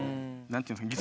何て言うんですか